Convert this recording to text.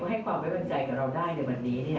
ให้ความแวะกันใจกับเราได้ในวันนี้เนี่ย